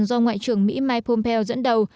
do ngoại trưởng mỹ mike pompeo dẫn đầu